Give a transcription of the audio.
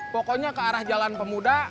pokoknya ke arah jalan pemuda